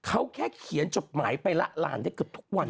เขาแค่เขียนจดหมายไปละลานได้เกือบทุกวัน